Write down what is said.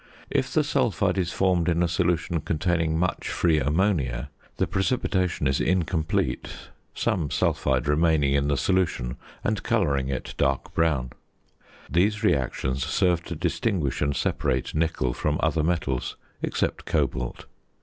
If the sulphide is formed in a solution containing much free ammonia, the precipitation is incomplete, some sulphide remaining in the solution and colouring it dark brown. These reactions serve to distinguish and separate nickel from other metals, except cobalt.